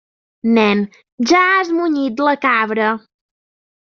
Nen, ja has munyit la cabra?